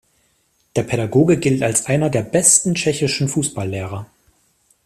Der Pädagoge gilt als einer der besten tschechischen Fußballlehrer.